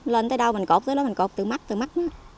lên tới đâu mình cột tới đó mình cột từ mắt từ mắt đó